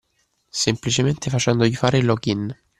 Semplicemente facendogli fare login.